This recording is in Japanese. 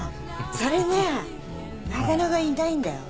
それねなかなかいないんだよ。